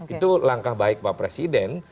itu langkah baik pak presiden